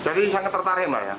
jadi sangat tertarik mbak ya